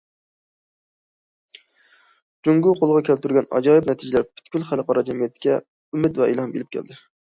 جۇڭگو قولغا كەلتۈرگەن ئاجايىپ نەتىجىلەر پۈتكۈل خەلقئارا جەمئىيەتكە ئۈمىد ۋە ئىلھام ئېلىپ كەلدى.